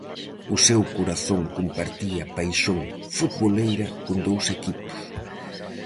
O seu corazón compartía paixón futboleira con dous equipos.